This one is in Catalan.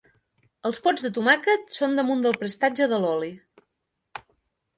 Els pots de tomàquet són damunt del prestatge de l'oli.